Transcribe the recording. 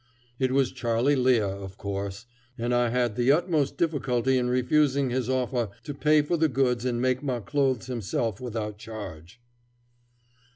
It was Charley Lear, of course, and I had the utmost difficulty in refusing his offer to pay for the goods and make my clothes himself without charge.